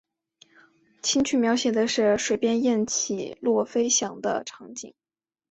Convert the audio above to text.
琴曲描写的是水边雁起落飞翔的场景。